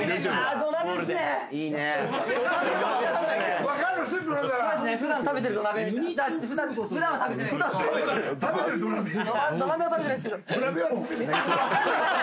土鍋は食べてないですけど。